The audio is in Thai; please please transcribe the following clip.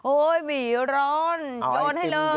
หมี่ร้อนโยนให้เลย